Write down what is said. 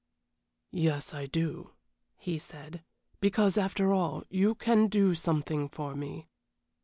"Yes, I do," he said, "because, after all, you can do something for me.